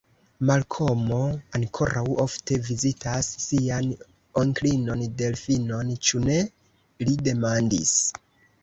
Malkomo ankoraŭ ofte vizitas sian onklinon Delfinon; ĉu ne? li demandis.